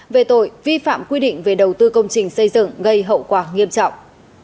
về tội vi phạm quy định về đầu tư công trình xây dựng gây hậu quả nghiêm trọng